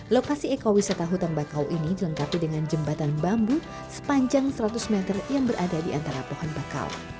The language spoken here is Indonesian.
lokasi ekowisata hutan bakau ini dilengkapi dengan jembatan bambu sepanjang seratus meter yang berada di antara pohon bakau